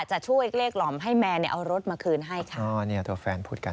จะช่วยเล็กหล่อมให้แมนเอารถมาคืนให้ค่ะอ๋อเนี่ยตัวแฟนพูดกัน